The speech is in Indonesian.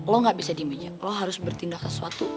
lo gak bisa di meja lo harus bertindak sesuatu